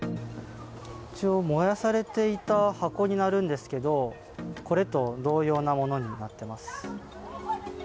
燃やされていた箱になるんですけど、これと同様なものになってます。